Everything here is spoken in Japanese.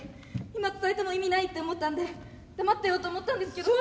今伝えても意味ないって思ったんで黙ってようと思ったんですけど。